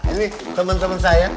ini temen temen saya